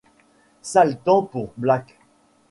Sale temps pour Black.